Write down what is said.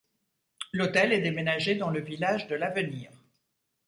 L'hôtel est déménagé dans le village de L'Avenir.